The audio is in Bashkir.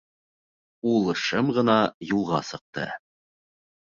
Ул шым ғына юлға сыҡты.